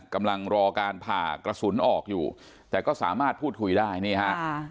กำลังรอการผ่ากระสุนออกอยู่แต่ก็สามารถพูดคุยได้นี่ฮะ